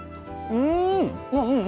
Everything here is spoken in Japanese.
うん！